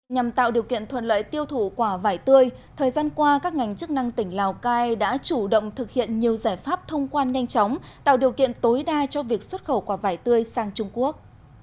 nhằm tạo điều kiện thuận lợi tiêu thụ quả vải tươi thời gian qua các ngành chức năng tỉnh lào cai đã chủ động thực hiện nhiều giải pháp thông quan nhanh chóng tạo điều kiện tối đa cho việc xuất khẩu quả vải tươi sang trung quốc